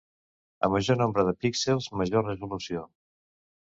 A major nombre de píxels, major resolució.